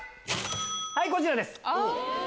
はいこちらです。